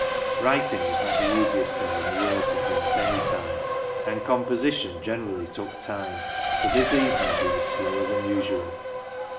Writing was not the easiest thing in the world to him at any time, and composition generally took time, but this evening he was slower than usual.